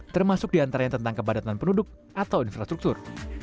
termasuk di antaranya tentang kepadatan penduduk atau infrastruktur